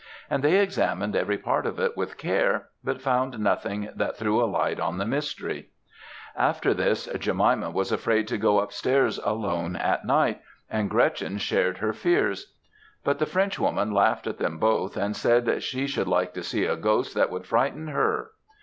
and they examined every part of it with care, but found nothing that threw a light on the mystery. After this, Jemima was afraid to go up stairs alone at night, and Gretchen shared her fears; but the Frenchwoman laughed at them both, and said she should like to see a ghost that would frighten her.